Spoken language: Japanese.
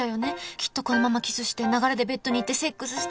きっとこのままキスして流れでベッドに行ってセックスして